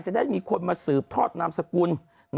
จะได้มีคนมาสืบทอดนามสกุล